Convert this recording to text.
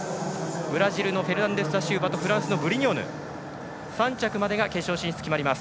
ブラジルのフェルナンデスダシウバとフランスのブリニョーヌ３着までが決勝進出が決まります。